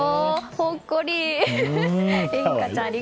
ほっこり！